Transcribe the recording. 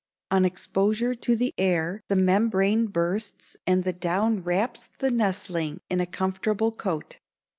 On exposure to the air the membrane bursts and the down wraps the nestling in a comfortable coat.